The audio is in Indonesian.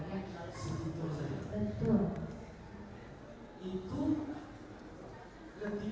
tetapi ketika di jalan bu